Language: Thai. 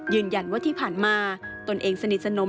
ยืนยันว่าที่ผ่านมาตนเองสนิทสนม